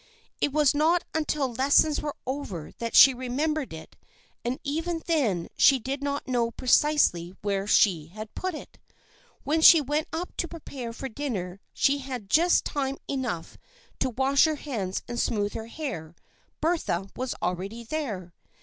It was not until lessons were over that she remembered it, and even then she did not know precisely where she had put it. When she went up to prepare for dinner she had just time enough to wash her hands and smooth her hair. Bertha was already there.